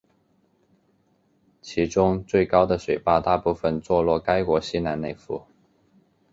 其中最高的水坝大部分坐落该国西南内腹。